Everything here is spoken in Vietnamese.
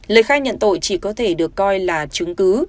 lời khai nhận tội chỉ có thể được coi là chứng cứ